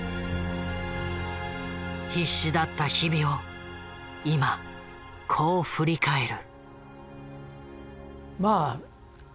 必死だった日々を今こう振り返る。